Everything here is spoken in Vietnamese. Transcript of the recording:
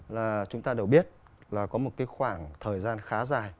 là chúng ta đều biết là có một cái khoảng thời gian khá dài